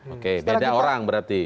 oke beda orang berarti